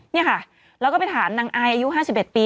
นี่ค่ะแล้วก็ไปถามนางอายอายุ๕๑ปี